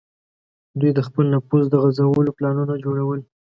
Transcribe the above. دوی د خپل نفوذ د غځولو پلانونه جوړول.